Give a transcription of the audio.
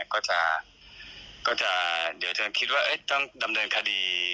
ก็จะคิดว่าต้องดำเนินคดี